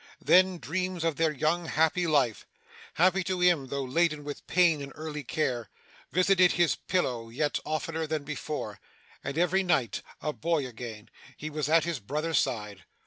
'Then, dreams of their young, happy life happy to him though laden with pain and early care visited his pillow yet oftener than before; and every night, a boy again, he was at his brother's side.